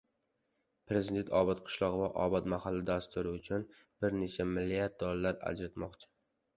Prezident «Obod qishloq» va «Obod mahalla» dasturi uchun bir necha milliard dollar ajratmoqchi